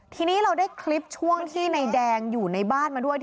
ทีนี้เราได้คลิปช่วงที่นายแดงอยู่ในบ้านมาด้วย